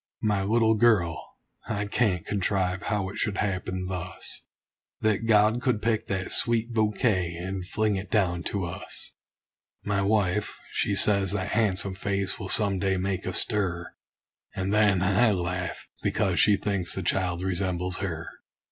My little girl I can't contrive how it should happen thus That God could pick that sweet bouquet, and fling it down to us! My wife, she says that han'some face will some day make a stir; And then I laugh, because she thinks the child resembles her.